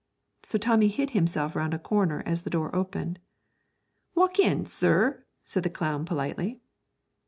So Tommy hid himself round a corner as the door opened. 'Walk in, sir,' said the clown, politely.